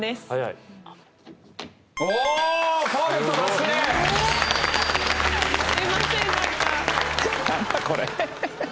すいません何か。